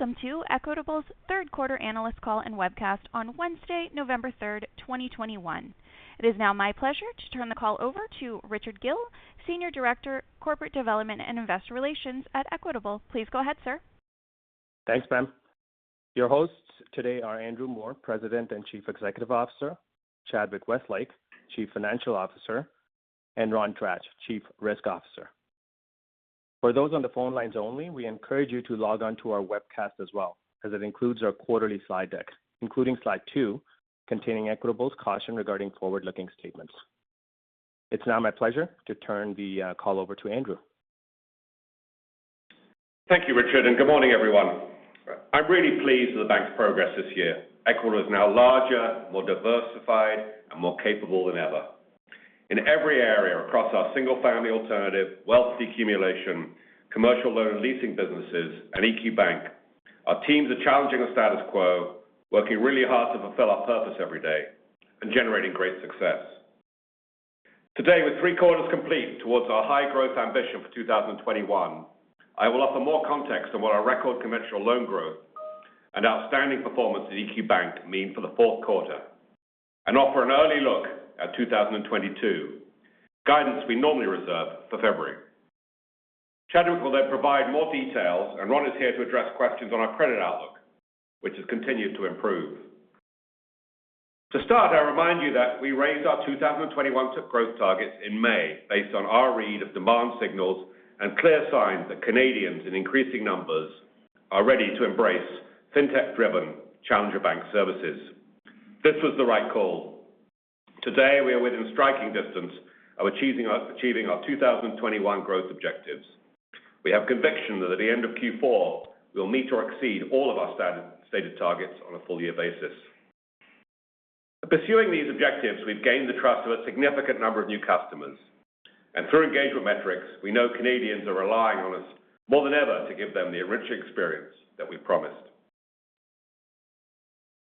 Welcome to Equitable's third quarter analyst call and webcast on Wednesday, November third, twenty-twenty one. It is now my pleasure to turn the call over to Richard Gill, Senior Director, Corporate Development and Investor Relations at Equitable. Please go ahead, sir. Thanks, Pam. Your hosts today are Andrew Moor, President and Chief Executive Officer, Chadwick Westlake, Chief Financial Officer, and Ron Tratch, Chief Risk Officer. For those on the phone lines only, we encourage you to log on to our webcast as well, as it includes our quarterly slide deck, including slide 2 containing Equitable's caution regarding forward-looking statements. It's now my pleasure to turn the call over to Andrew. Thank you, Richard, and good morning, everyone. I'm really pleased with the bank's progress this year. Equitable is now larger, more diversified, and more capable than ever. In every area across our single family alternative, wealth accumulation, commercial loan leasing businesses, and EQ Bank, our teams are challenging the status quo, working really hard to fulfill our purpose every day and generating great success. Today, with three quarters complete towards our high-growth ambition for 2021, I will offer more context on what our record conventional loan growth and outstanding performance at EQ Bank mean for the fourth quarter, and offer an early look at 2022, guidance we normally reserve for February. Chadwick will then provide more details, and Ron is here to address questions on our credit outlook, which has continued to improve. To start, I remind you that we raised our 2021 growth targets in May based on our read of demand signals and clear signs that Canadians in increasing numbers are ready to embrace fintech-driven challenger bank services. This was the right call. Today, we are within striking distance of achieving our 2021 growth objectives. We have conviction that at the end of Q4, we will meet or exceed all of our stated targets on a full year basis. Pursuing these objectives, we've gained the trust of a significant number of new customers, and through engagement metrics, we know Canadians are relying on us more than ever to give them the enriched experience that we promised.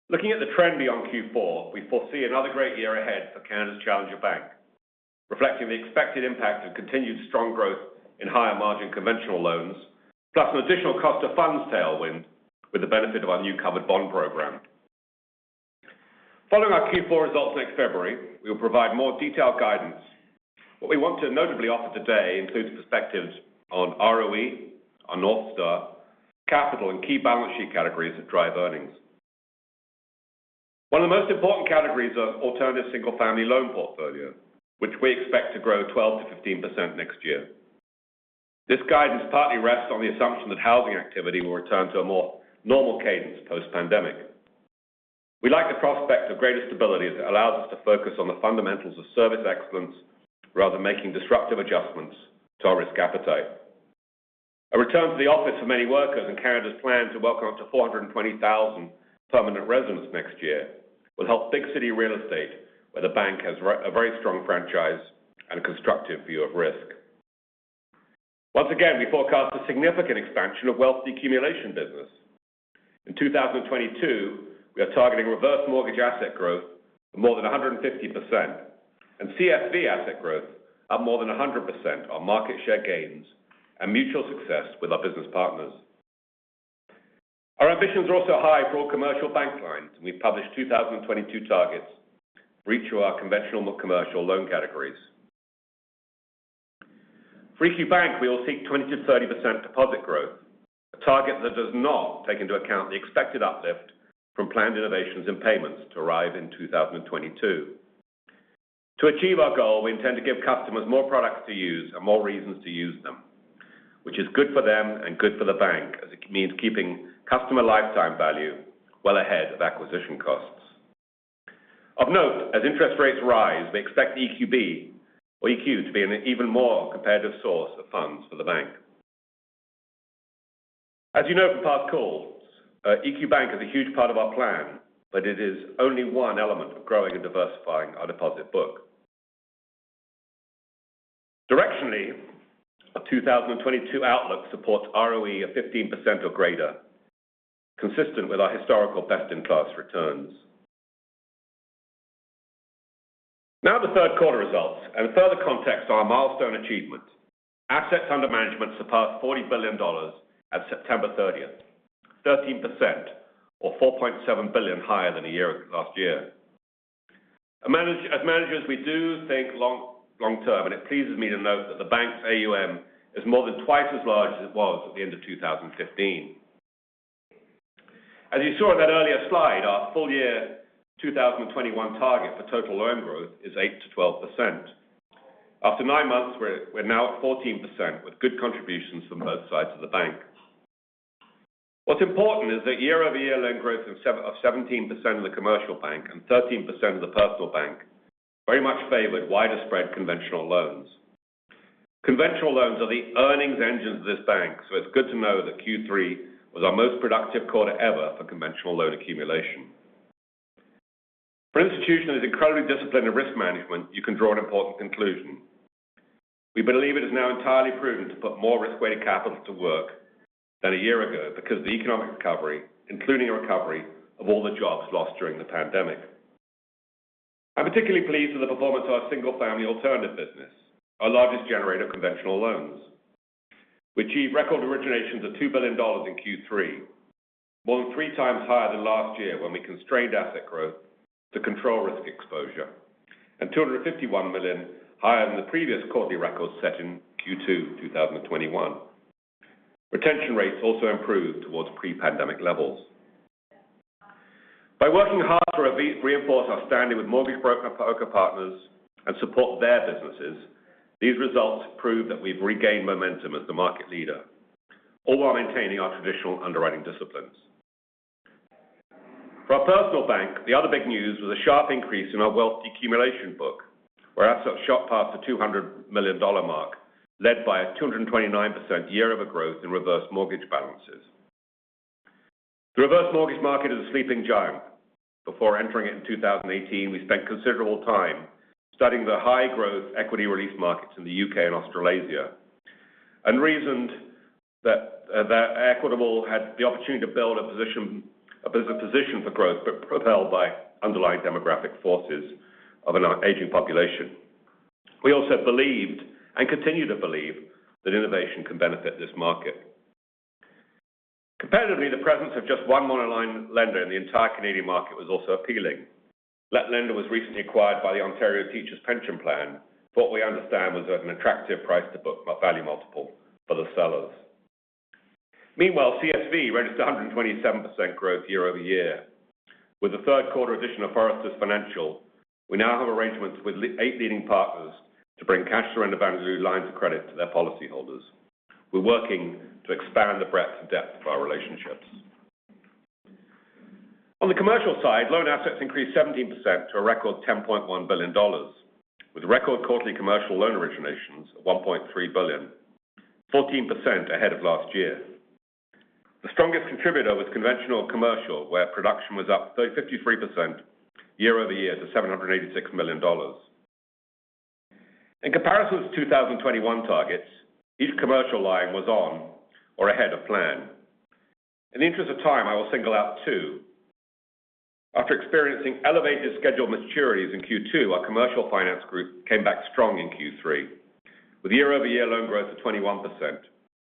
Looking at the trend beyond Q4, we foresee another great year ahead for Canada's challenger bank, reflecting the expected impact of continued strong growth in higher margin conventional loans, plus an additional cost of funds tailwind with the benefit of our new covered bond program. Following our Q4 results next February, we will provide more detailed guidance. What we want to notably offer today includes perspectives on ROE, our North Star, capital, and key balance sheet categories that drive earnings. One of the most important categories are alternative single-family loan portfolio, which we expect to grow 12%-15% next year. This guidance partly rests on the assumption that housing activity will return to a more normal cadence post-pandemic. We like the prospect of greater stability as it allows us to focus on the fundamentals of service excellence rather than making disruptive adjustments to our risk appetite. A return to the office for many workers and Canada's plan to welcome up to 420,000 permanent residents next year will help big city real estate, where the bank has a very strong franchise and a constructive view of risk. Once again, we forecast a significant expansion of wealth accumulation business. In 2022, we are targeting reverse mortgage asset growth of more than 150%, and CSV asset growth of more than 100% on market share gains and mutual success with our business partners. Our ambitions are also high for all commercial bank lines, and we've published 2022 targets for each of our conventional commercial loan categories. For EQ Bank, we will seek 20%-30% deposit growth, a target that does not take into account the expected uplift from planned innovations in payments to arrive in 2022. To achieve our goal, we intend to give customers more products to use and more reasons to use them, which is good for them and good for the bank, as it means keeping customer lifetime value well ahead of acquisition costs. Of note, as interest rates rise, we expect EQB or EQ to be an even more competitive source of funds for the bank. As you know from past calls, EQ Bank is a huge part of our plan, but it is only one element of growing and diversifying our deposit book. Directionally, our 2022 outlook supports ROE of 15% or greater, consistent with our historical best-in-class returns. Now the third quarter results and further context on our milestone achievement. Assets under management surpassed 40 billion dollars at September 30, 13% or 4.7 billion higher than last year. As managers, we do think long-term, and it pleases me to note that the bank's AUM is more than twice as large as it was at the end of 2015. As you saw in that earlier slide, our full year 2021 target for total loan growth is 8%-12%. After nine months, we're now at 14% with good contributions from both sides of the bank. What's important is that year-over-year loan growth of 17% in the commercial bank and 13% in the personal bank very much favored wider spread conventional loans. Conventional loans are the earnings engines of this bank, so it's good to know that Q3 was our most productive quarter ever for conventional loan accumulation. For an institution that is incredibly disciplined in risk management, you can draw an important conclusion. We believe it is now entirely prudent to put more risk-weighted capital to work than a year ago because of the economic recovery, including the recovery of all the jobs lost during the pandemic. I'm particularly pleased with the performance of our single-family alternative business, our largest generator of conventional loans. We achieved record originations of 2 billion dollars in Q3, more than three times higher than last year when we constrained asset growth to control risk exposure, and 251 million higher than the previous quarterly record set in Q2 2021. Retention rates also improved towards pre-pandemic levels. By working hard to reinforce our standing with mortgage broker partners and support their businesses, these results prove that we've regained momentum as the market leader, all while maintaining our traditional underwriting disciplines. For our personal bank, the other big news was a sharp increase in our wealth accumulation book, where assets shot past the 200 million dollar mark, led by a 229% year-over-year growth in reverse mortgage balances. The reverse mortgage market is a sleeping giant. Before entering it in 2018, we spent considerable time studying the high-growth equity release markets in the U.K. and Australasia and reasoned that Equitable had the opportunity to build a position, a business position for growth, but propelled by underlying demographic forces of an aging population. We also believed, and continue to believe, that innovation can benefit this market. Competitively, the presence of just one monoline lender in the entire Canadian market was also appealing. That lender was recently acquired by the Ontario Teachers' Pension Plan, for what we understand was at an attractive price-to-book value multiple for the sellers. Meanwhile, CSV registered 127% growth year-over-year. With the third quarter addition of Foresters Financial, we now have arrangements with eight leading partners to bring cash surrender value lines of credit to their policyholders. We're working to expand the breadth and depth of our relationships. On the commercial side, loan assets increased 17% to a record 10.1 billion dollars, with record quarterly commercial loan originations at 1.3 billion, 14% ahead of last year. The strongest contributor was conventional commercial, where production was up 53% year-over-year to 786 million dollars. In comparison to 2021 targets, each commercial line was on or ahead of plan. In the interest of time, I will single out 2. After experiencing elevated scheduled maturities in Q2, our commercial finance group came back strong in Q3 with year-over-year loan growth of 21%,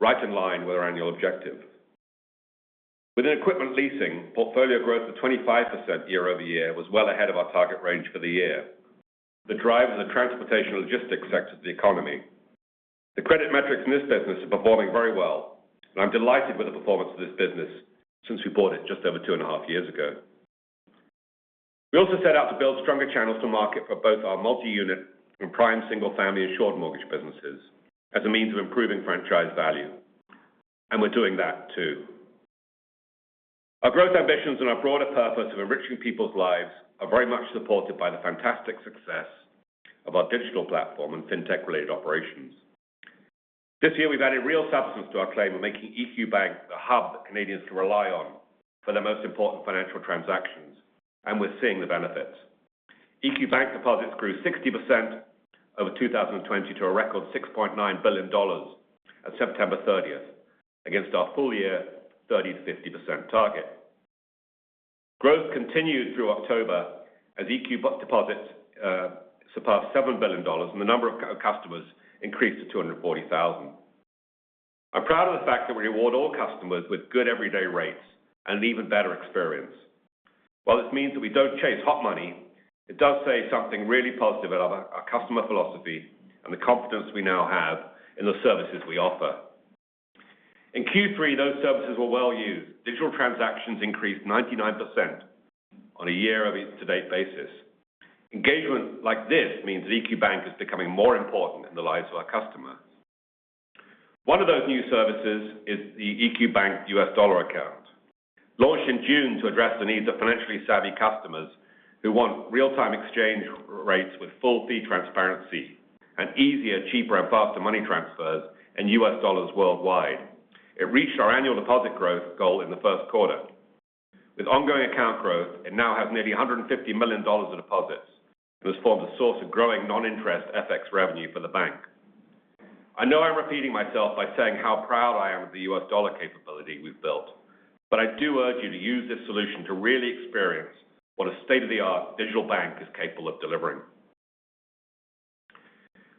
right in line with our annual objective. Within equipment leasing, portfolio growth of 25% year over year was well ahead of our target range for the year. The drivers are the transportation logistics sector of the economy. The credit metrics in this business are performing very well, and I'm delighted with the performance of this business since we bought it just over 2.5 years ago. We also set out to build stronger channels to market for both our multi-unit and prime single-family insured mortgage businesses as a means of improving franchise value, and we're doing that too. Our growth ambitions and our broader purpose of enriching people's lives are very much supported by the fantastic success of our digital platform and fintech-related operations. This year, we've added real substance to our claim of making EQ Bank the hub that Canadians can rely on for their most important financial transactions, and we're seeing the benefits. EQ Bank deposits grew 60% over 2020 to a record 6.9 billion dollars at September 30 against our full-year 30%-50% target. Growth continued through October as EQ Bank deposits surpassed 7 billion dollars and the number of customers increased to 240,000. I'm proud of the fact that we reward all customers with good everyday rates and an even better experience. While this means that we don't chase hot money, it does say something really positive about our customer philosophy and the confidence we now have in the services we offer. In Q3, those services were well used. Digital transactions increased 99% on a year-over-year to-date basis. Engagement like this means that EQ Bank is becoming more important in the lives of our customers. One of those new services is the EQ Bank US Dollar Account. Launched in June to address the needs of financially savvy customers who want real-time exchange rates with full fee transparency and easier, cheaper, and faster money transfers in US dollars worldwide. It reached our annual deposit growth goal in the first quarter. With ongoing account growth, it now has nearly $150 million in deposits and has formed a source of growing non-interest FX revenue for the bank. I know I'm repeating myself by saying how proud I am of the US dollar capability we've built, but I do urge you to use this solution to really experience what a state-of-the-art digital bank is capable of delivering.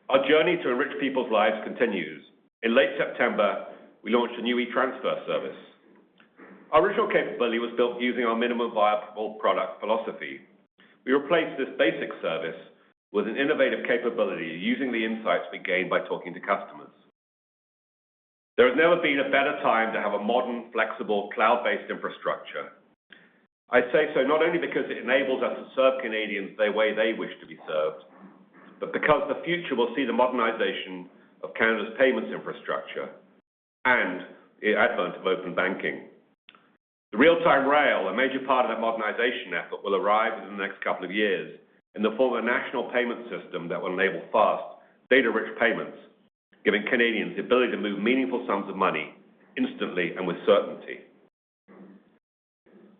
Our journey to enrich people's lives continues. In late September, we launched a new e-transfer service. Our original capability was built using our minimum viable product philosophy. We replaced this basic service with an innovative capability using the insights we gained by talking to customers. There has never been a better time to have a modern, flexible, cloud-based infrastructure. I say so not only because it enables us to serve Canadians the way they wish to be served, but because the future will see the modernization of Canada's payments infrastructure and the advent of open banking. The Real-Time Rail, a major part of that modernization effort, will arrive within the next couple of years in the form of a national payment system that will enable fast, data-rich payments, giving Canadians the ability to move meaningful sums of money instantly and with certainty.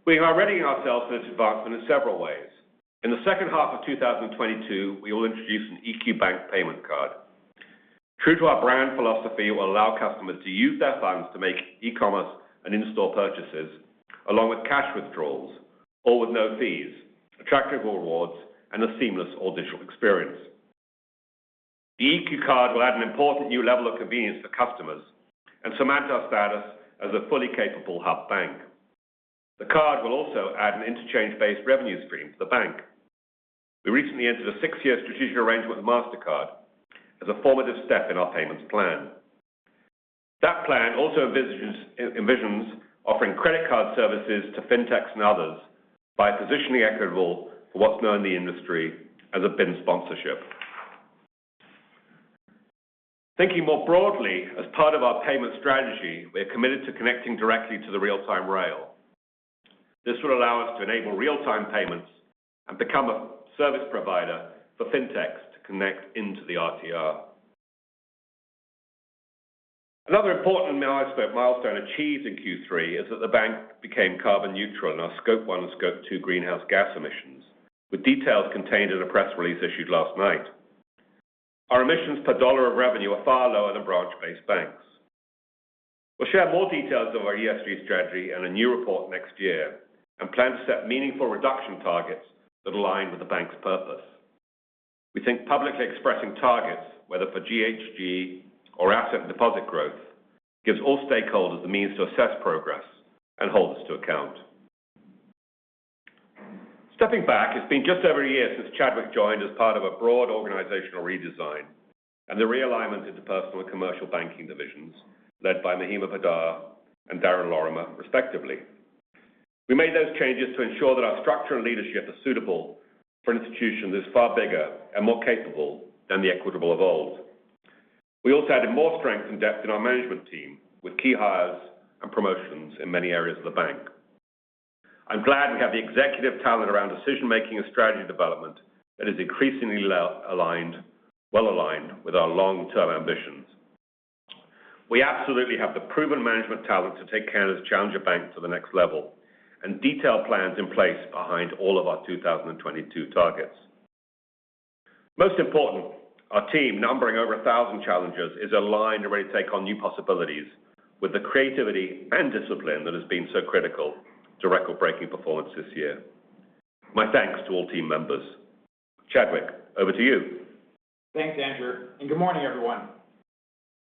We are readying ourselves for this advancement in several ways. In the second half of 2022, we will introduce an EQ Bank payment card, true to our brand philosophy, will allow customers to use their funds to make e-commerce and in-store purchases, along with cash withdrawals, all with no fees, attractive rewards, and a seamless all digital experience. The EQ card will add an important new level of convenience for customers and cement our status as a fully capable hub bank. The card will also add an interchange-based revenue stream to the bank. We recently entered a six-year strategic arrangement with Mastercard as a formative step in our payments plan. That plan also envisions offering credit card services to fintechs and others by positioning Equitable for what's known in the industry as a BIN sponsorship. Thinking more broadly, as part of our payment strategy, we are committed to connecting directly to the Real-Time Rail. This will allow us to enable real-time payments and become a service provider for fintechs to connect into the RTR. Another important milestone achieved in Q3 is that the bank became carbon neutral in our Scope 1 and Scope 2 greenhouse gas emissions, with details contained in a press release issued last night. Our emissions per dollar of revenue are far lower than branch-based banks. We'll share more details of our ESG strategy in a new report next year and plan to set meaningful reduction targets that align with the bank's purpose. We think publicly expressing targets, whether for GHG or asset and deposit growth, gives all stakeholders the means to assess progress and hold us to account. Stepping back, it's been just over a year since Chadwick joined as part of a broad organizational redesign and the realignment into personal and commercial banking divisions led by Mahima Poddar and Darren Lorimer, respectively. We made those changes to ensure that our structure and leadership are suitable for an institution that is far bigger and more capable than the Equitable of old. We also added more strength and depth in our management team with key hires and promotions in many areas of the bank. I'm glad we have the executive talent around decision-making and strategy development that is well-aligned with our long-term ambitions. We absolutely have the proven management talent to take Canada's challenger bank to the next level and detailed plans in place behind all of our 2022 targets. Most important, our team numbering over a thousand challengers is aligned and ready to take on new possibilities with the creativity and discipline that has been so critical to record-breaking performance this year. My thanks to all team members. Chadwick, over to you. Thanks, Andrew, and good morning, everyone.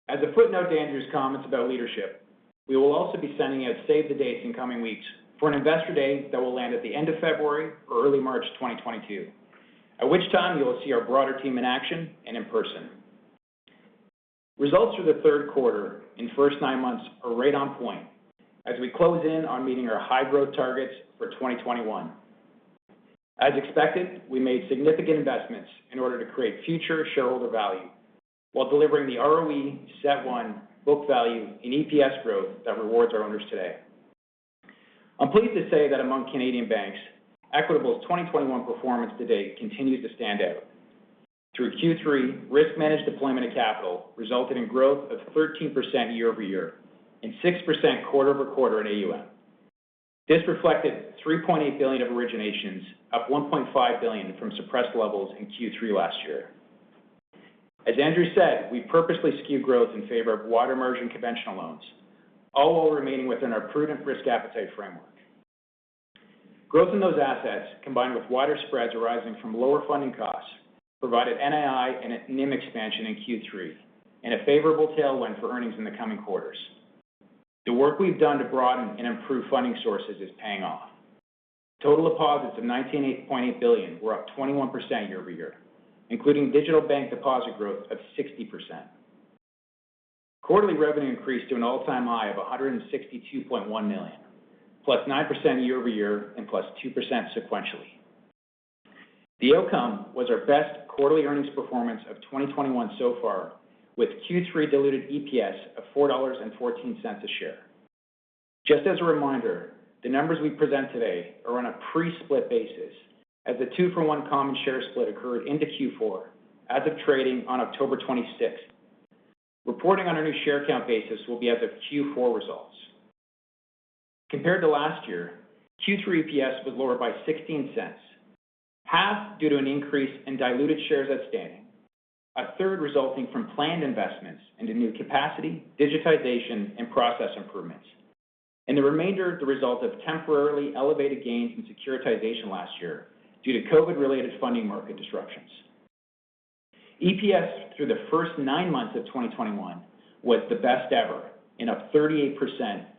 As a footnote to Andrew's comments about leadership, we will also be sending out save the dates in coming weeks for an investor day that will land at the end of February or early March 2022, at which time you will see our broader team in action and in person. Results through the third quarter and first nine months are right on point as we close in on meeting our high-growth targets for 2021. As expected, we made significant investments in order to create future shareholder value while delivering the ROE, tangible book value and EPS growth that rewards our owners today. I'm pleased to say that among Canadian banks, Equitable's 2021 performance to date continues to stand out. Through Q3, risk-managed deployment of capital resulted in growth of 13% year-over-year and 6% quarter-over-quarter in AUM. This reflected 3.8 billion of originations, up 1.5 billion from suppressed levels in Q3 last year. As Andrew said, we purposely skew growth in favor of wider margin conventional loans, all while remaining within our prudent risk appetite framework. Growth in those assets, combined with wider spreads arising from lower funding costs, provided NII and a NIM expansion in Q3 and a favorable tailwind for earnings in the coming quarters. The work we've done to broaden and improve funding sources is paying off. Total deposits of 19.8 billion were up 21% year-over-year, including digital bank deposit growth of 60%. Quarterly revenue increased to an all-time high of 162.1 million, +9% year-over-year and +2% sequentially. The outcome was our best quarterly earnings performance of 2021 so far, with Q3 diluted EPS of 4.14 dollars a share. Just as a reminder, the numbers we present today are on a pre-split basis as the 2-for-1 common share split occurred into Q4 as of trading on October 26. Reporting on a new share count basis will be as of Q4 results. Compared to last year, Q3 EPS was lower by 0.16, half due to an increase in diluted shares outstanding, a third resulting from planned investments into new capacity, digitization, and process improvements, and the remainder is the result of temporarily elevated gains in securitization last year due to COVID-related funding market disruptions. EPS through the first nine months of 2021 was the best ever and up 38%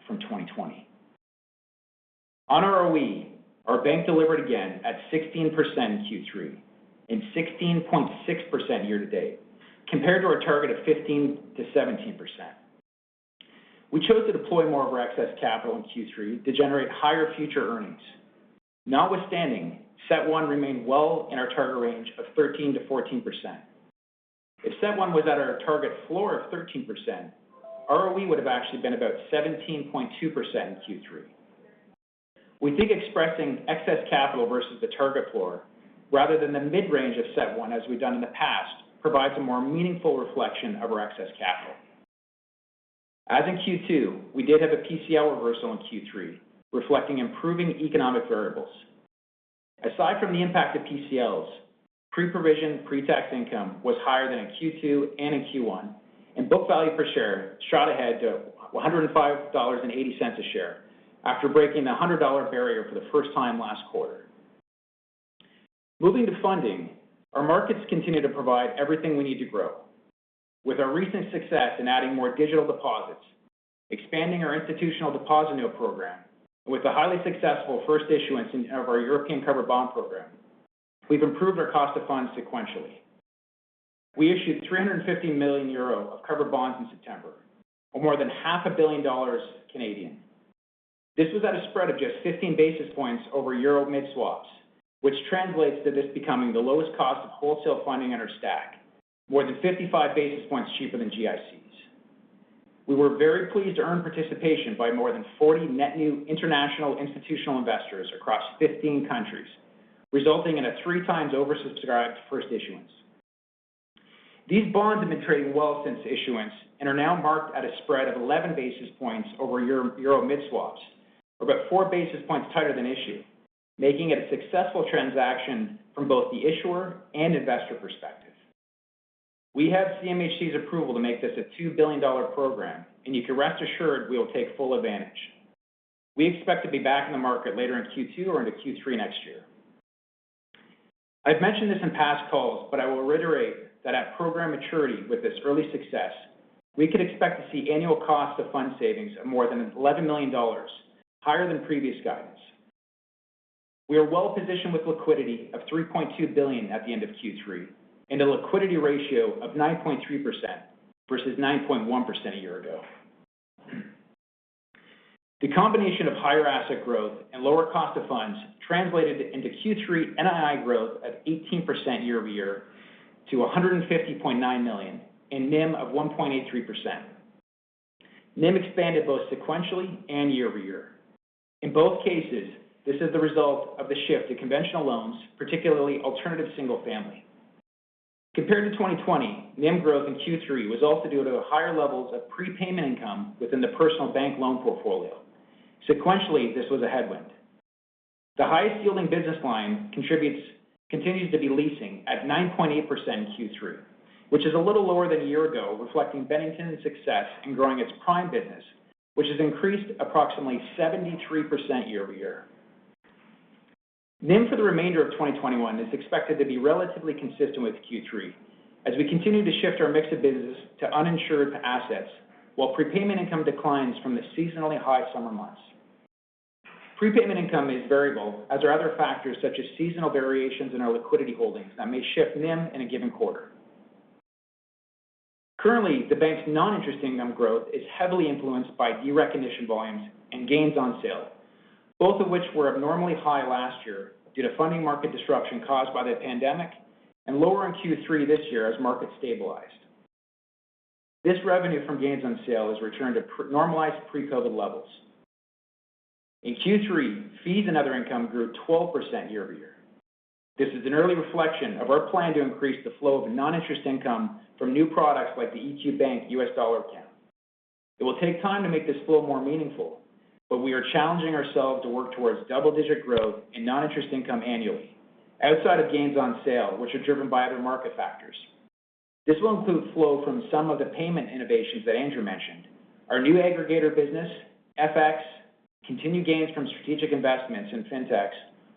from 2020. On ROE, our bank delivered again at 16% in Q3 and 16.6% year to date, compared to our target of 15%-17%. We chose to deploy more of our excess capital in Q3 to generate higher future earnings. Notwithstanding, CET1 remained well in our target range of 13%-14%. If CET1 was at our target floor of 13%, ROE would have actually been about 17.2% in Q3. We think expressing excess capital versus the target floor rather than the mid-range of CET1 as we've done in the past, provides a more meaningful reflection of our excess capital. As in Q2, we did have a PCL reversal in Q3, reflecting improving economic variables. Aside from the impact of PCLs, pre-provision, pre-tax income was higher than in Q2 and in Q1, and book value per share shot ahead to 105.80 dollars a share after breaking the 100 dollar barrier for the first time last quarter. Moving to funding, our markets continue to provide everything we need to grow. With our recent success in adding more digital deposits, expanding our institutional deposit note program, and with the highly successful first issuance of our European covered bond program, we've improved our cost of funds sequentially. We issued 350 million euro of covered bonds in September, or more than 500 million dollars. This was at a spread of just 15 basis points over euro mid-swaps, which translates to this becoming the lowest cost of wholesale funding in our stack, more than 55 basis points cheaper than GICs. We were very pleased to earn participation by more than 40 net new international institutional investors across 15 countries, resulting in a 3 times oversubscribed first issuance. These bonds have been trading well since issuance and are now marked at a spread of 11 basis points over euro mid-swaps or about 4 basis points tighter than issue, making it a successful transaction from both the issuer and investor perspective. We have CMHC's approval to make this a 2 billion dollar program, and you can rest assured we will take full advantage. We expect to be back in the market later in Q2 or into Q3 next year. I've mentioned this in past calls, but I will reiterate that at program maturity with this early success, we could expect to see annual cost of fund savings of more than 11 million dollars, higher than previous guidance. We are well-positioned with liquidity of 3.2 billion at the end of Q3 and a liquidity ratio of 9.3% versus 9.1% a year ago. The combination of higher asset growth and lower cost of funds translated into Q3 NII growth of 18% year-over-year to 150.9 million and NIM of 1.83%. NIM expanded both sequentially and year-over-year. In both cases, this is the result of the shift to conventional loans, particularly alternative single family. Compared to 2020, NIM growth in Q3 was also due to the higher levels of prepayment income within the personal bank loan portfolio. Sequentially, this was a headwind. The highest yielding business line continues to be leasing at 9.8% in Q3, which is a little lower than a year ago, reflecting Bennington's success in growing its prime business, which has increased approximately 73% year-over-year. NIM for the remainder of 2021 is expected to be relatively consistent with Q3 as we continue to shift our mix of business to uninsured assets while prepayment income declines from the seasonally high summer months. Prepayment income is variable, as are other factors such as seasonal variations in our liquidity holdings that may shift NIM in a given quarter. Currently, the bank's non-interest income growth is heavily influenced by derecognition volumes and gains on sale, both of which were abnormally high last year due to funding market disruption caused by the pandemic and lower in Q3 this year as markets stabilized. This revenue from gains on sale has returned to pre-normalized pre-COVID levels. In Q3, fees and other income grew 12% year-over-year. This is an early reflection of our plan to increase the flow of non-interest income from new products like the EQ Bank US Dollar Account. It will take time to make this flow more meaningful, but we are challenging ourselves to work towards double-digit growth in non-interest income annually outside of gains on sale, which are driven by other market factors. This will include flow from some of the payment innovations that Andrew mentioned, our new aggregator business, FX, continued gains from strategic investments in Fintechs,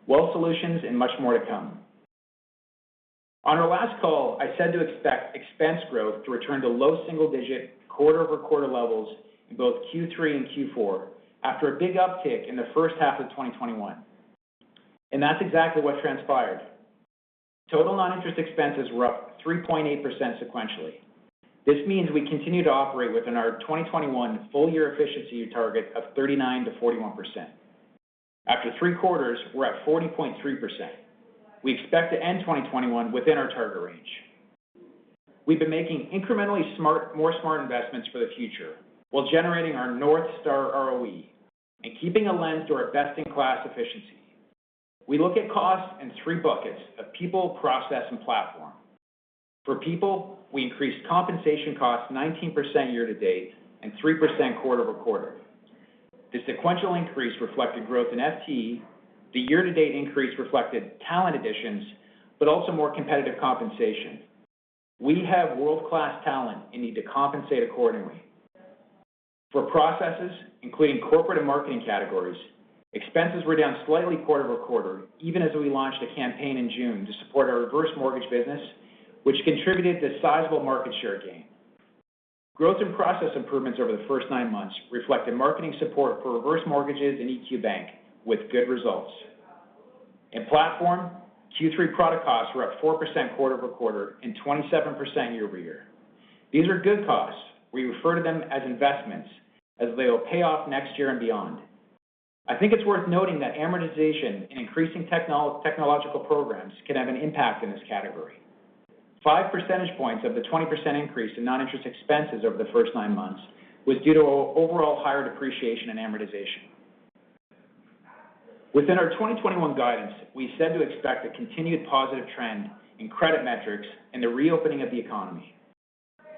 wealth solutions, and much more to come. On our last call, I said to expect expense growth to return to low single digit quarter-over-quarter levels in both Q3 and Q4 after a big uptick in the first half of 2021. That's exactly what transpired. Total non-interest expenses were up 3.8% sequentially. This means we continue to operate within our 2021 full year efficiency target of 39%-41%. After three quarters, we're at 40.3%. We expect to end 2021 within our target range. We've been making incrementally smart, more smart investments for the future while generating our North Star ROE and keeping a lens to our best-in-class efficiency. We look at costs in three buckets of people, process, and platform. For people, we increased compensation costs 19% year-to-date and 3% quarter-over-quarter. The sequential increase reflected growth in FT. The year-to-date increase reflected talent additions, but also more competitive compensation. We have world-class talent and need to compensate accordingly. For processes, including corporate and marketing categories, expenses were down slightly quarter-over-quarter, even as we launched a campaign in June to support our reverse mortgage business, which contributed to sizable market share gain. Growth and process improvements over the first nine months reflected marketing support for reverse mortgages in EQ Bank with good results. In platform, Q3 product costs were up 4% quarter-over-quarter and 27% year-over-year. These are good costs. We refer to them as investments as they will pay off next year and beyond. I think it's worth noting that amortization in increasing technological programs can have an impact in this category. 5 percentage points of the 20% increase in non-interest expenses over the first nine months was due to overall higher depreciation and amortization. Within our 2021 guidance, we said to expect a continued positive trend in credit metrics and the reopening of the economy.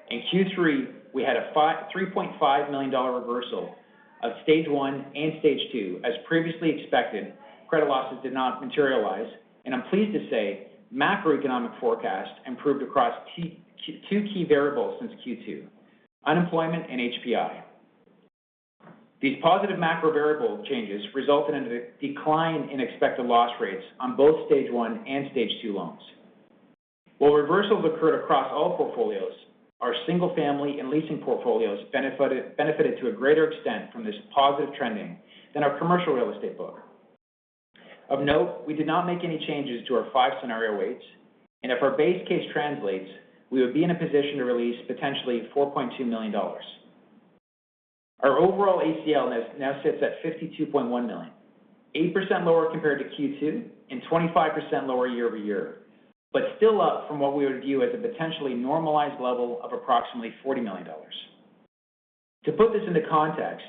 In Q3, we had a 3.5 million dollar reversal of stage one and stage two. As previously expected, credit losses did not materialize. I'm pleased to say macroeconomic forecast improved across two key variables since Q2, unemployment and HPI. These positive macro variable changes resulted in a decline in expected loss rates on both stage one and stage two loans. While reversals occurred across all portfolios, our single-family and leasing portfolios benefited to a greater extent from this positive trending than our commercial real estate book. Of note, we did not make any changes to our five scenario weights, and if our base case translates, we would be in a position to release potentially 4.2 million dollars. Our overall ACL now sits at 52.1 million, 8% lower compared to Q2 and 25% lower year-over-year, but still up from what we would view as a potentially normalized level of approximately 40 million dollars. To put this into context,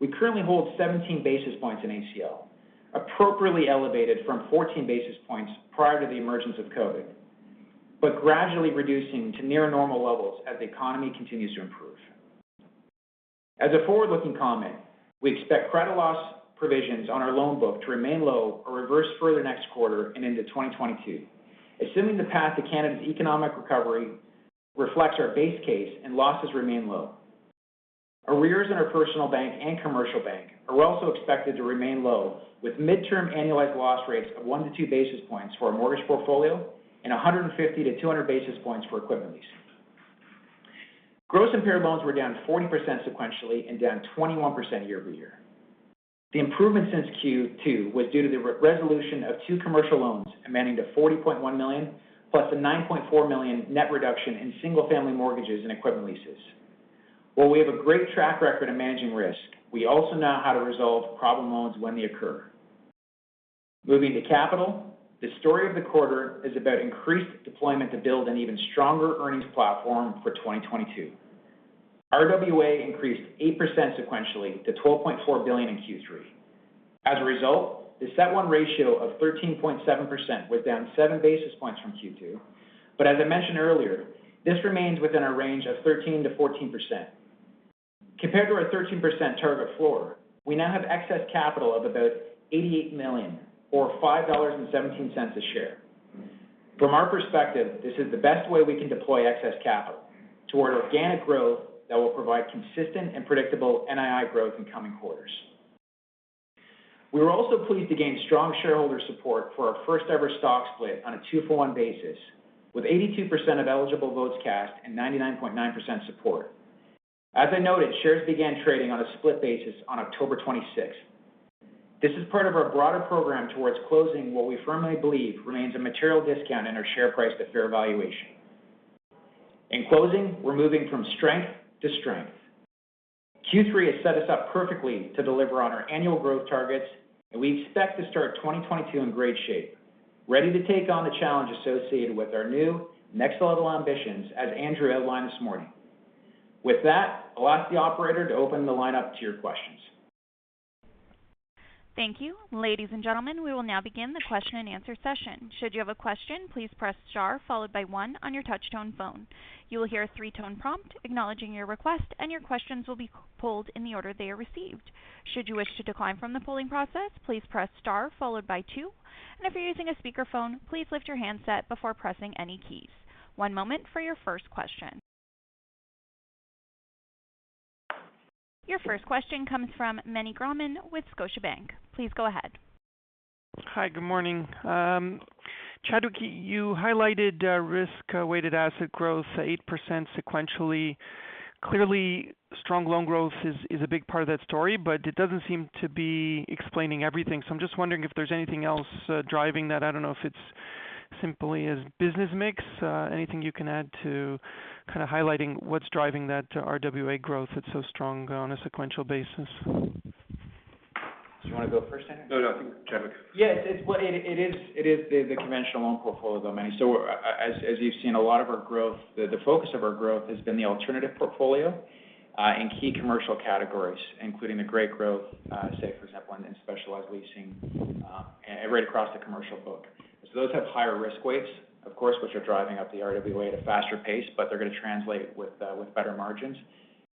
we currently hold 17 basis points in ACL, appropriately elevated from 14 basis points prior to the emergence of COVID, but gradually reducing to near normal levels as the economy continues to improve. As a forward-looking comment, we expect credit loss provisions on our loan book to remain low or reverse further next quarter and into 2022, assuming the path to Canada's economic recovery reflects our base case and losses remain low. Arrears in our personal bank and commercial bank are also expected to remain low, with midterm annualized loss rates of 1-2 basis points for our mortgage portfolio and 150-200 basis points for equipment lease. Gross impaired loans were down 40% sequentially and down 21% year-over-year. The improvement since Q2 was due to the re-resolution of two commercial loans amounting to 40.1 million, plus a 9.4 million net reduction in single-family mortgages and equipment leases. While we have a great track record of managing risk, we also know how to resolve problem loans when they occur. Moving to capital, the story of the quarter is about increased deployment to build an even stronger earnings platform for 2022. RWA increased 8% sequentially to 12.4 billion in Q3. As a result, the CET1 ratio of 13.7% was down seven basis points from Q2. As I mentioned earlier, this remains within our range of 13%-14%. Compared to our 13% target floor, we now have excess capital of about 88 million or 5.17 dollars a share. From our perspective, this is the best way we can deploy excess capital toward organic growth that will provide consistent and predictable NII growth in coming quarters. We were also pleased to gain strong shareholder support for our first-ever stock split on a 2-for-1 basis, with 82% of eligible votes cast and 99.9% support. As I noted, shares began trading on a split basis on October 26. This is part of our broader program towards closing what we firmly believe remains a material discount in our share price to fair valuation. In closing, we're moving from strength to strength. Q3 has set us up perfectly to deliver on our annual growth targets, and we expect to start 2022 in great shape, ready to take on the challenge associated with our new next level ambitions as Andrew outlined this morning. With that, I'll ask the operator to open the line up to your questions. Thank you. Ladies and gentlemen, we will now begin the question and answer session. Should you have a question, please press star followed by one on your touchtone phone. You will hear a three-tone prompt acknowledging your request, and your questions will be pulled in the order they are received. Should you wish to decline from the polling process, please press star followed by two. If you're using a speakerphone, please lift your handset before pressing any keys. One moment for your first question. Your first question comes from Meny Grauman with Scotiabank. Please go ahead. Hi, good morning. Chad, you highlighted risk-weighted asset growth 8% sequentially. Clearly, strong loan growth is a big part of that story, but it doesn't seem to be explaining everything. I'm just wondering if there's anything else driving that. I don't know if it's simply business mix. Anything you can add to kind of highlighting what's driving that RWA growth that's so strong on a sequential basis? Do you want to go first, Andrew? No, no. Chad. Yes. It's what it is. It is the conventional loan portfolio, Meny. You've seen a lot of our growth. The focus of our growth has been the alternative portfolio in key commercial categories, including the great growth, say, for example, in specialized leasing and right across the commercial book. Those have higher risk weights, of course, which are driving up the RWA at a faster pace, but they're going to translate with better margins.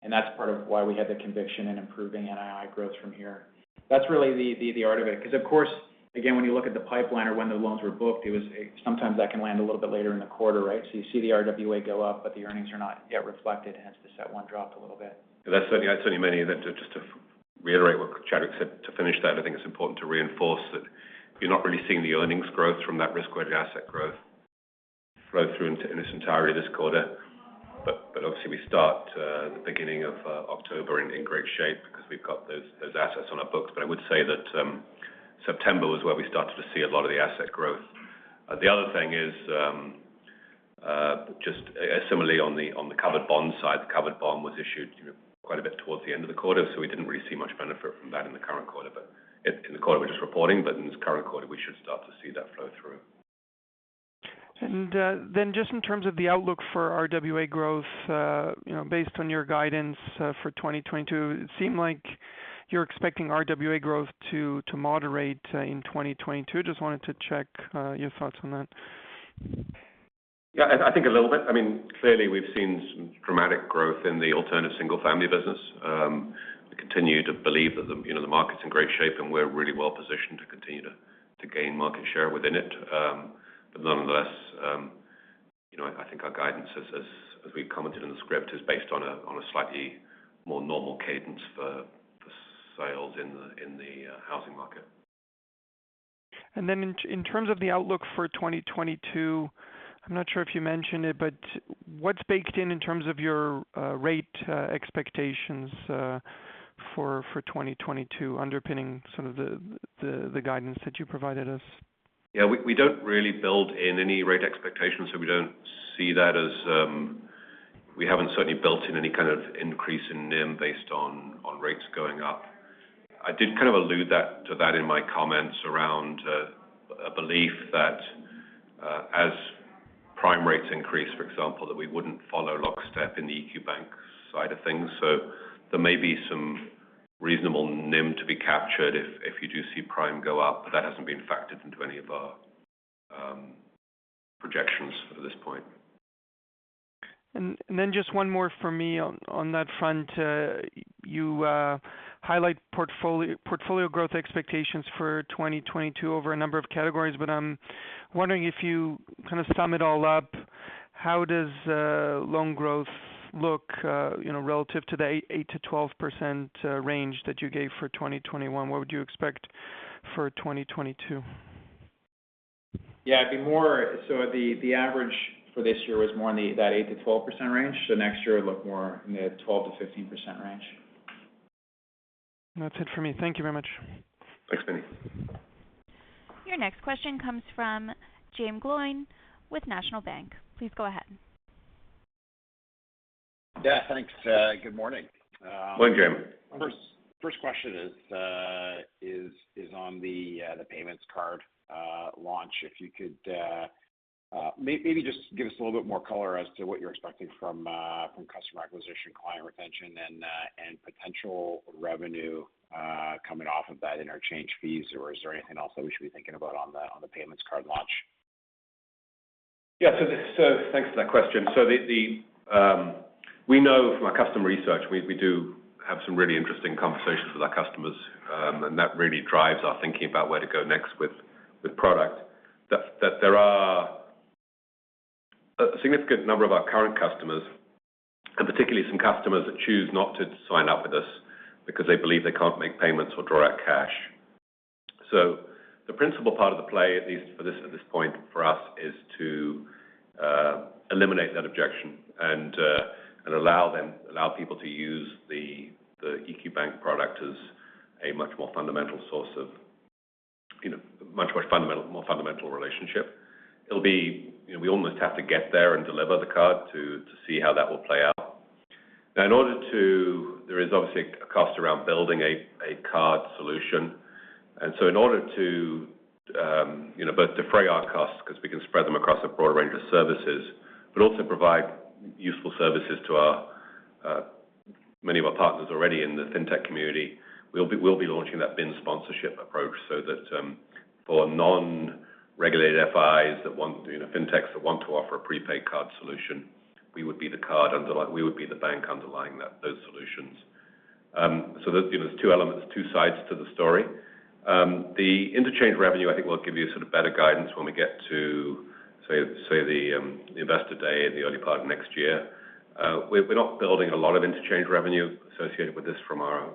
That's part of why we have the conviction in improving NII growth from here. That's really the art of it, because of course, again, when you look at the pipeline or when the loans were booked, it was sometimes that can land a little bit later in the quarter, right? You see the RWA go up, but the earnings are not yet reflected, hence the CET1 dropped a little bit. That's certainly Meny, that just to reiterate what Chad said, to finish that. I think it's important to reinforce that you're not really seeing the earnings growth from that risk-weighted asset growth flow through into its entirety this quarter. Obviously we start the beginning of October in great shape because we've got those assets on our books. I would say that September was where we started to see a lot of the asset growth. The other thing is just similarly on the covered bond side. The covered bond was issued quite a bit towards the end of the quarter, so we didn't really see much benefit from that in the current quarter, but in the quarter we're just reporting. In this current quarter, we should start to see that flow through. Just in terms of the outlook for RWA growth, you know, based on your guidance for 2022, it seemed like you're expecting RWA growth to moderate in 2022. Just wanted to check your thoughts on that. Yeah, I think a little bit. I mean, clearly, we've seen some dramatic growth in the alternative single-family business. We continue to believe that the market's in great shape, and we're really well positioned to continue to gain market share within it. Nonetheless, I think our guidance as we commented in the script is based on a slightly more normal cadence for the sales in the housing market. In terms of the outlook for 2022, I'm not sure if you mentioned it, but what's baked in in terms of your rate expectations for 2022 underpinning some of the guidance that you provided us? Yeah, we don't really build in any rate expectations, so we don't see that as. We haven't certainly built in any kind of increase in NIM based on rates going up. I did kind of allude to that in my comments around a belief that as prime rates increase, for example, that we wouldn't follow lockstep in the EQ Bank side of things. So there may be some reasonable NIM to be captured if you do see prime go up, but that hasn't been factored into any of our projections at this point. Just one more from me on that front. You highlight portfolio growth expectations for 2022 over a number of categories, but I'm wondering if you kind of sum it all up, how does loan growth look, you know, relative to the 8%-12% range that you gave for 2021? What would you expect for 2022? I think more. The average for this year was more in that 8%-12% range, so next year it'll look more in the 12%-15% range. That's it for me. Thank you very much. Thanks, Meny. Your next question comes from Jaeme Gloyn with National Bank. Please go ahead. Yeah, thanks. Good morning. Good morning, Jaeme. First question is on the payment card launch. If you could maybe just give us a little bit more color as to what you're expecting from customer acquisition, client retention, and potential revenue coming off of that interchange fees or is there anything else that we should be thinking about on the payment card launch? Yeah. Thanks for that question. We know from our customer research. We do have some really interesting conversations with our customers, and that really drives our thinking about where to go next with product. That there are a significant number of our current customers, and particularly some customers that choose not to sign up with us because they believe they can't make payments or draw out cash. The principal part of the play, at least for this point for us, is to eliminate that objection and allow people to use the EQ Bank product as a much more fundamental source of, you know, more fundamental relationship. It will be you know, we almost have to get there and deliver the card to see how that will play out. There is obviously a cost around building a card solution. In order to both defray our costs because we can spread them across a broader range of services, but also provide useful services to many of our partners already in the fintech community, we'll be launching that BIN sponsorship approach so that for non-regulated FIs, fintechs that want to offer a prepaid card solution, we would be the bank underlying those solutions. There's two elements, two sides to the story. The interchange revenue I think we'll give you sort of better guidance when we get to the investor day in the early part of next year. We're not building a lot of interchange revenue associated with this from our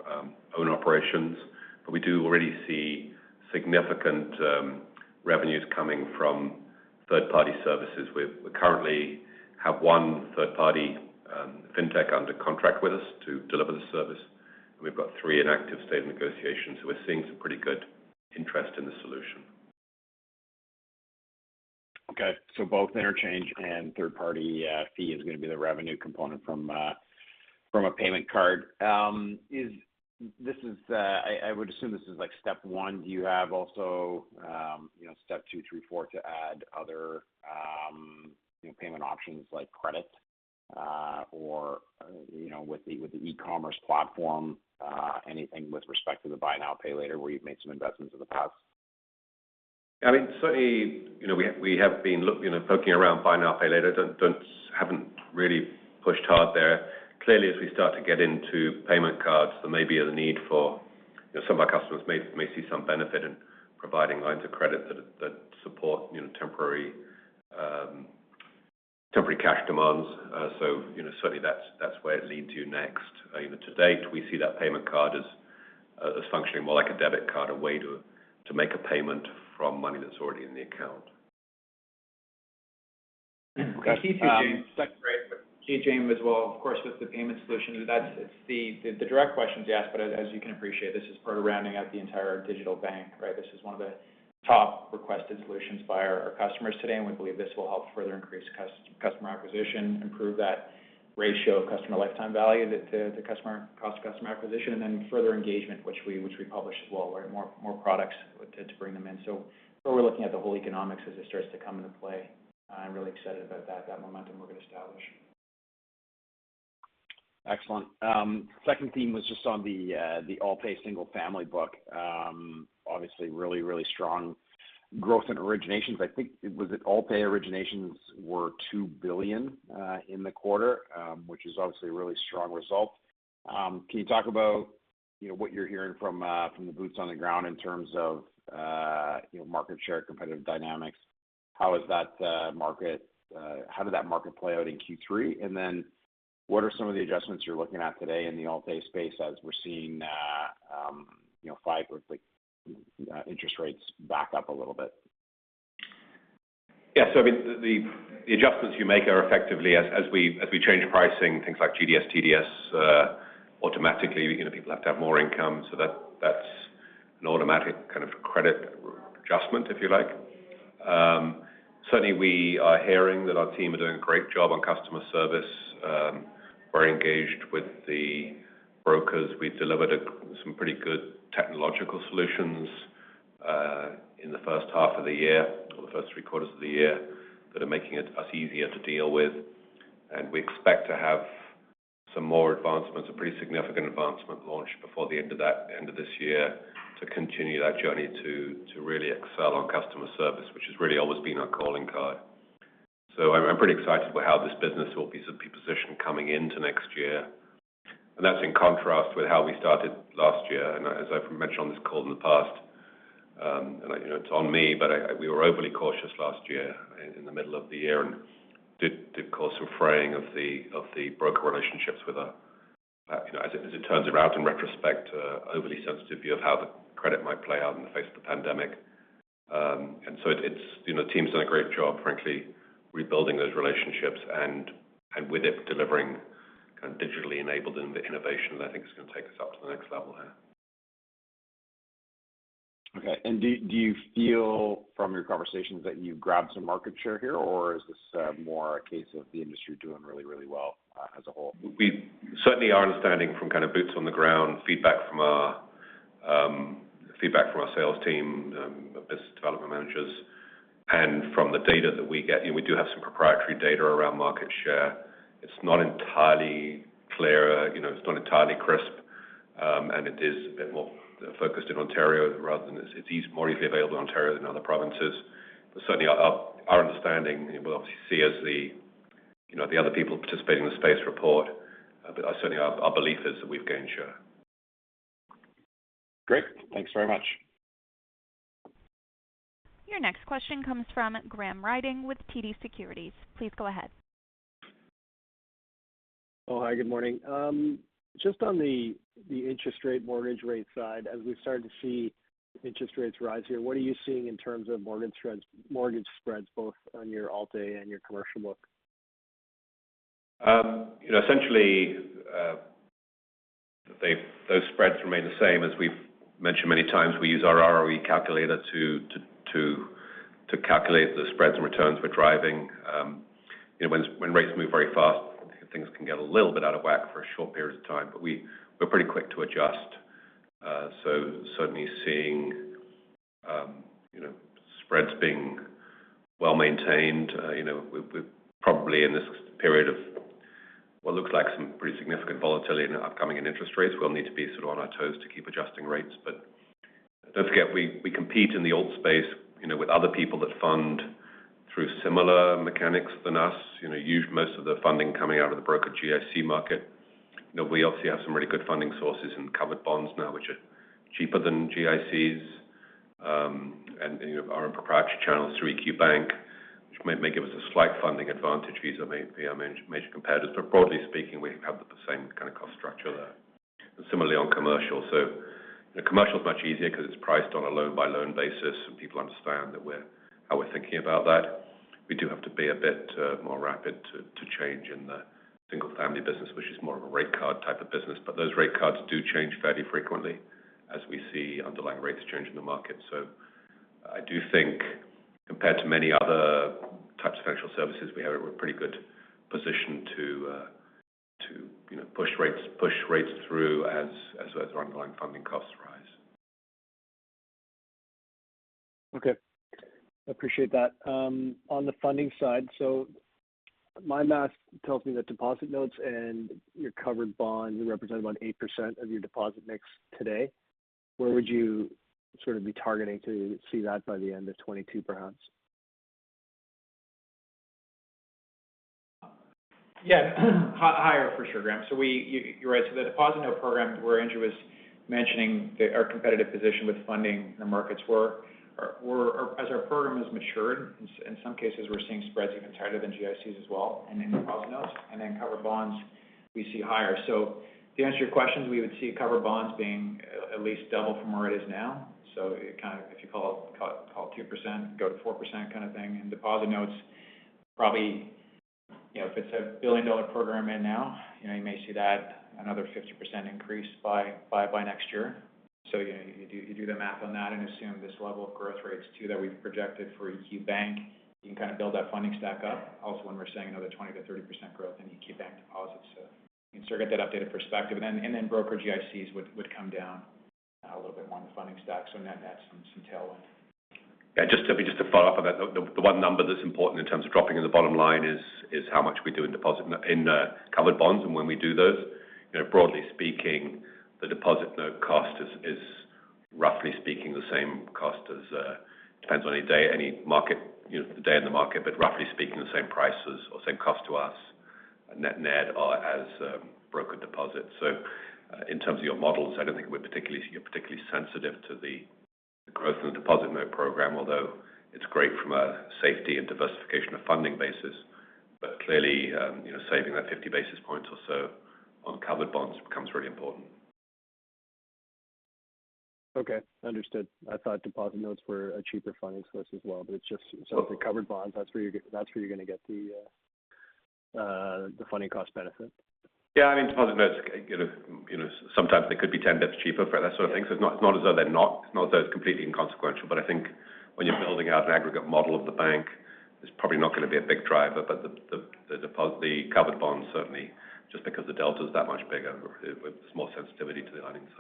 own operations, but we do already see significant revenues coming from third-party services. We currently have one third-party fintech under contract with us to deliver the service, and we've got three in active stage of negotiations. We're seeing some pretty good interest in the solution. Okay. Both interchange and third-party fee is gonna be the revenue component from a payment card. I would assume this is like step one. Do you have also you know step one, three, four to add other you know payment options like credit or you know with the e-commerce platform anything with respect to the buy now, pay later, where you've made some investments in the past? I mean, certainly, you know, we have been poking around buy now, pay later. Haven't really pushed hard there. Clearly, as we start to get into payment cards, there may be a need for, you know, some of our customers may see some benefit in providing lines of credit that support, you know, temporary cash demands. You know, certainly that's where it leads you next. You know, to date, we see that payment card as functioning more like a debit card, a way to make a payment from money that's already in the account. Okay. Thank you, James. That's great. Thank you, James, as well. Of course, with the payment solution, that's the direct question is asked, but as you can appreciate, this is part of rounding out the entire digital bank, right? This is one of the top requested solutions by our customers today, and we believe this will help further increase customer acquisition, improve that ratio of customer lifetime value that the customer acquisition, and then further engagement, which we publish as well, right? More products to bring them in. We're looking at the whole economics as it starts to come into play. I'm really excited about that momentum we're gonna establish. Excellent. Second theme was just on the Alt-A single-family book. Obviously really strong growth in originations. I think Alt-A originations were 2 billion in the quarter, which is obviously a really strong result. Can you talk about, you know, what you're hearing from the boots on the ground in terms of, you know, market share, competitive dynamics? How did that market play out in Q3? What are some of the adjustments you're looking at today in the Alt-A space as we're seeing, you know, five-year interest rates back up a little bit? Yeah. I mean, the adjustments you make are effectively as we change pricing, things like GDS, TDS, automatically, you know, people have to have more income. That's an automatic kind of credit adjustment, if you like. Certainly we are hearing that our team are doing a great job on customer service. We're engaged with the brokers. We've delivered some pretty good technological solutions in the first half of the year or the first three quarters of the year that are making us easier to deal with. We expect to have some more advancements, a pretty significant advancement launch before the end of this year to continue that journey to really excel on customer service, which has really always been our calling card. I'm pretty excited about how this business will be positioned coming into next year. That's in contrast with how we started last year. As I've mentioned on this call in the past, and I, you know, it's on me, but I, we were overly cautious last year in the middle of the year and did cause some fraying of the broker relationships with a, you know, as it turns out, in retrospect, a overly sensitive view of how the credit might play out in the face of the pandemic. It's, you know, the team's done a great job, frankly, rebuilding those relationships and with it delivering kind of digitally enabled in the innovation that I think is gonna take us up to the next level there. Okay. Do you feel from your conversations that you've grabbed some market share here, or is this more a case of the industry doing really, really well as a whole? We certainly are understanding from kind of boots on the ground feedback from our sales team, our business development managers and from the data that we get. You know, we do have some proprietary data around market share. It's not entirely clear. You know, it's not entirely crisp. It is a bit more focused in Ontario rather than it's more easily available in Ontario than other provinces. Certainly our understanding, and we'll obviously see as the, you know, the other people participating in the space report, certainly our belief is that we've gained share. Great. Thanks very much. Your next question comes from Graham Ryding with TD Securities. Please go ahead. Oh, hi, good morning. Just on the interest rate mortgage rate side, as we start to see interest rates rise here, what are you seeing in terms of mortgage spreads both on your Alt-A and your commercial book? You know, essentially, those spreads remain the same. As we've mentioned many times, we use our ROE calculator to calculate the spreads and returns we're driving. You know, when rates move very fast, things can get a little bit out of whack for a short period of time, but we're pretty quick to adjust. Certainly seeing spreads being well-maintained. You know, we're probably in this period of what looks like some pretty significant volatility in the upcoming interest rates. We'll need to be sort of on our toes to keep adjusting rates. Don't forget, we compete in the Alt-A space, you know, with other people that fund through similar mechanics than us. You know, use most of the funding coming out of the broker GIC market. You know, we obviously have some really good funding sources in covered bonds now, which are cheaper than GICs, and, you know, our own proprietary channels through EQ Bank, which may give us a slight funding advantage vis-a-vis our major competitors. Broadly speaking, we have the same kind of cost structure there. Similarly on commercial. You know, commercial's much easier 'cause it's priced on a loan-by-loan basis, and people understand that we're, how we're thinking about that. We do have to be a bit more rapid to change in the single family business, which is more of a rate card type of business. Those rate cards do change fairly frequently as we see underlying rates change in the market. I do think compared to many other types of financial services, we have a pretty good position to, you know, push rates through as our underlying funding costs rise. Okay. Appreciate that. On the funding side, my math tells me that deposit notes and your covered bonds represent about 8% of your deposit mix today. Where would you sort of be targeting to see that by the end of 2022, perhaps? Yeah. Higher for sure, Graham. You're right. The deposit note program where Andrew was mentioning the our competitive position with funding the markets were as our program has matured, in some cases, we're seeing spreads even tighter than GICs as well and in deposit notes. Then covered bonds we see higher. To answer your questions, we would see covered bonds being at least double from where it is now. It kind of, if you call it 2%, go to 4% kind of thing. Deposit notes probably, you know, if it's a billion-dollar program now, you know, you may see that another 50% increase by next year. You know, you do the math on that and assume this level of growth rates too that we've projected for EQ Bank. You can kind of build that funding stack up. Also, when we're seeing another 20%-30% growth in EQ Bank deposits, you can sort of get that updated perspective. Broker GICs would come down a little bit more in the funding stack. In that's some tailwind. Yeah, just to follow up on that, the one number that's important in terms of dropping in the bottom line is how much we do in covered bonds and when we do those. You know, broadly speaking, the deposit note cost is roughly speaking the same cost as, depends on any day, any market, you know, the day in the market, but roughly speaking the same price as or same cost to us net or as broker deposits. In terms of your models, I don't think you're particularly sensitive to the growth in the deposit note program, although it's great from a safety and diversification of funding basis. Clearly, saving that 50 basis points or so on covered bonds becomes really important. Okay, understood. I thought deposit notes were a cheaper funding source as well, but it's just. Well- Covered bonds, that's where you're gonna get the funding cost benefit. Yeah, I mean, deposit notes can get, you know, sometimes they could be 10 basis points cheaper for that sort of thing. It's not as though it's completely inconsequential. I think when you're building out an aggregate model of the bank, it's probably not gonna be a big driver. The deposit, the covered bonds certainly just because the delta is that much bigger, there's more sensitivity to the earnings.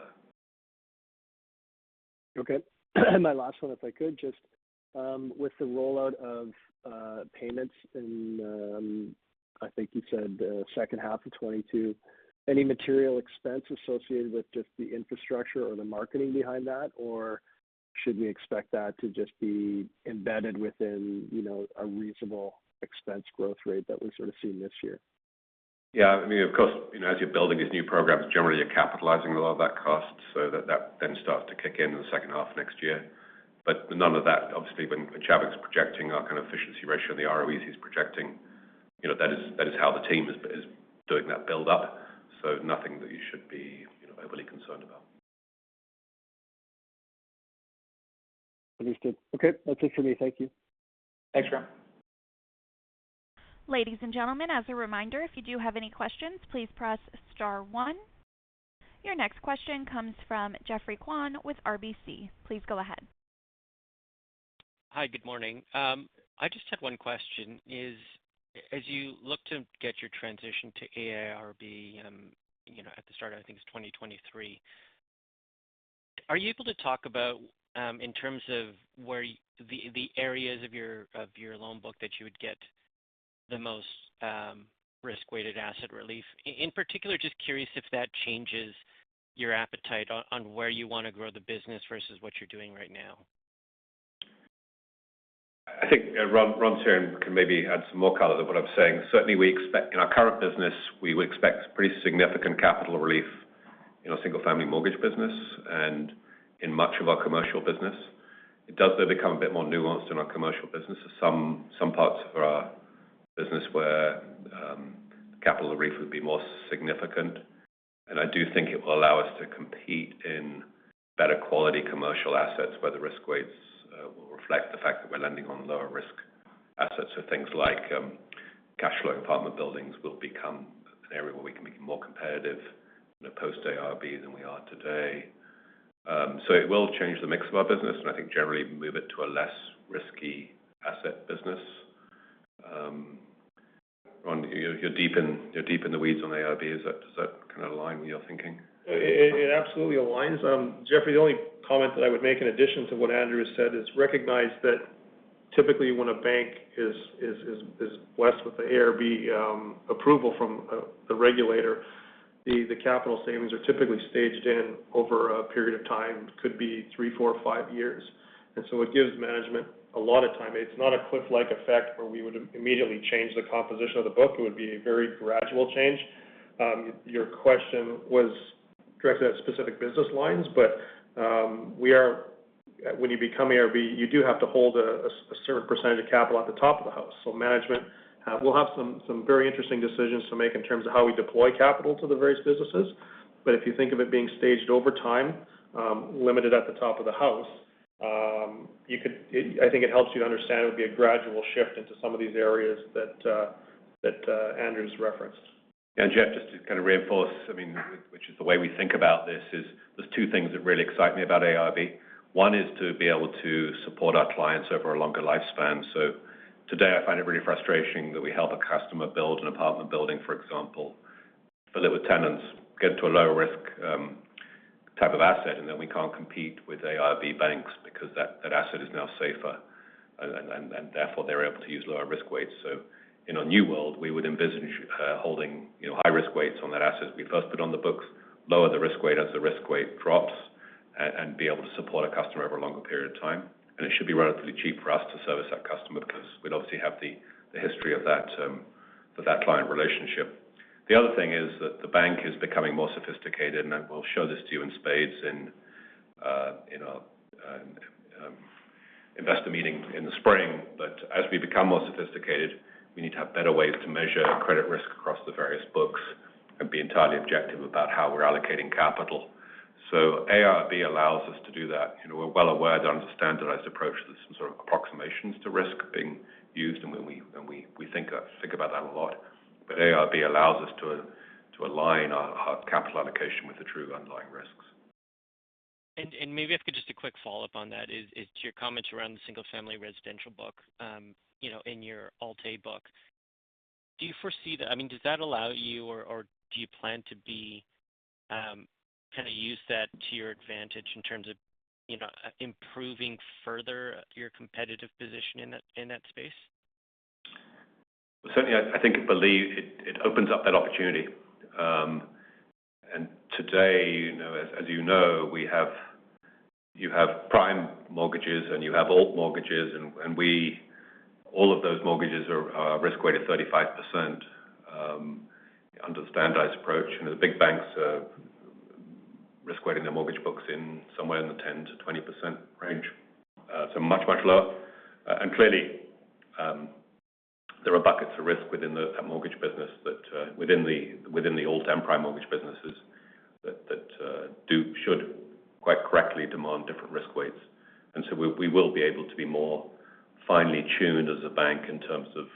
Okay. My last one, if I could. Just, with the rollout of payments in, I think you said, second half of 2022, any material expense associated with just the infrastructure or the marketing behind that? Or should we expect that to just be embedded within, you know, a reasonable expense growth rate that we're sort of seeing this year? Yeah. I mean, of course, you know, as you're building these new programs, generally you're capitalizing a lot of that cost so that then starts to kick in in the second half of next year. But none of that, obviously, when Chadwick's projecting our kind of efficiency ratio and the ROEs he's projecting, you know, that is how the team is doing that build up. Nothing that you should be, you know, overly concerned about. Understood. Okay. That's it for me. Thank you. Thanks, Graham. Ladies and gentlemen, as a reminder, if you do have any questions, please press star one. Your next question comes from Geoffrey Kwan with RBC. Please go ahead. Hi. Good morning. I just had one question. As you look to get your transition to AIRB, you know, at the start, I think it's 2023, are you able to talk about, in terms of where the areas of your loan book that you would get the most risk-weighted asset relief? In particular, just curious if that changes your appetite on where you wanna grow the business versus what you're doing right now. I think Ron can maybe add some more color to what I'm saying. Certainly we expect in our current business, we would expect pretty significant capital relief in our single-family mortgage business and in much of our commercial business. It does, though, become a bit more nuanced in our commercial business. There's some parts of our business where capital relief would be more significant. I do think it will allow us to compete in better quality commercial assets where the risk weights will reflect the fact that we're lending on lower risk assets. Things like cash flow apartment buildings will become an area where we can be more competitive, you know, post AIRB than we are today. It will change the mix of our business, and I think generally move it to a less risky asset business. Ron, you're deep in the weeds on AIRB. Does that kind of align with your thinking? It absolutely aligns. Geoffrey, the only comment that I would make in addition to what Andrew has said is recognize that typically when a bank is blessed with the AIRB approval from the regulator, the capital savings are typically staged in over a period of time. Could be three, four, five years. It gives management a lot of time. It's not a cliff-like effect where we would immediately change the composition of the book. It would be a very gradual change. Your question was directed at specific business lines, but when you become AIRB, you do have to hold a certain percentage of capital at the top of the house. So management will have some very interesting decisions to make in terms of how we deploy capital to the various businesses. If you think of it being staged over time, limited at the top of the house, I think it helps you to understand it would be a gradual shift into some of these areas that Andrew's referenced. Jeffrey, just to kind of reinforce, I mean, which is the way we think about this is there's two things that really excite me about AIRB. One is to be able to support our clients over a longer lifespan. Today I find it really frustrating that we help a customer build an apartment building, for example, fill it with tenants, get to a lower risk type of asset, and then we can't compete with AIRB banks because that asset is now safer and therefore they're able to use lower risk weights. In our new world, we would envisage holding, you know, high risk weights on that asset we first put on the books, lower the risk weight as the risk weight drops, and be able to support a customer over a longer period of time. It should be relatively cheap for us to service that customer because we'd obviously have the history of that for that client relationship. The other thing is that the bank is becoming more sophisticated, and I will show this to you in spades in our investor meeting in the spring. As we become more sophisticated, we need to have better ways to measure credit risk across the various books and be entirely objective about how we're allocating capital. AIRB allows us to do that. We're well aware that under standardized approach, there's some sort of approximations to risk being used and when we think about that a lot. AIRB allows us to align our capital allocation with the true underlying risks. Maybe if I could just a quick follow-up on that is to your comments around the single-family residential book, you know, in your Alt-A book. I mean, does that allow you or do you plan to kind of use that to your advantage in terms of, you know, improving further your competitive position in that space? Certainly, I think it opens up that opportunity. Today, as you know, we have prime mortgages and Alt-A mortgages. All of those mortgages are risk-weighted 35% under the standardized approach. The big banks are risk-weighting their mortgage books somewhere in the 10%-20% range. So much lower. Clearly, there are buckets of risk within that mortgage business that, within the Alt-A and prime mortgage businesses, that should quite correctly demand different risk weights. We will be able to be more finely tuned as a bank in terms of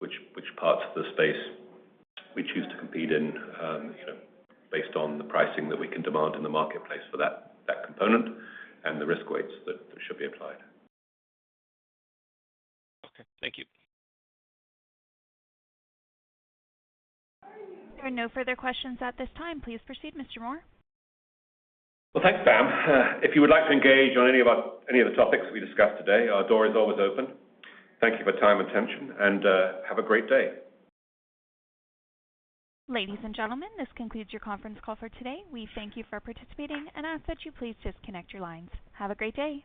which parts of the space we choose to compete in, you know, based on the pricing that we can demand in the marketplace for that component and the risk weights that should be applied. Okay. Thank you. There are no further questions at this time. Please proceed, Mr. Moor. Well, thanks, Pam. If you would like to engage on any of the topics we discussed today, our door is always open. Thank you for your time and attention, and have a great day. Ladies and gentlemen, this concludes your conference call for today. We thank you for participating and ask that you please disconnect your lines. Have a great day.